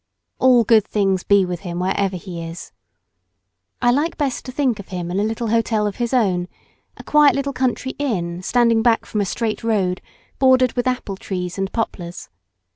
All good things be with him wherever he is! I like best to think of him in a little hotel of his own, a quiet little country inn standing back from a straight road bordered with apple trees and poplars.